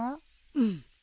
うん。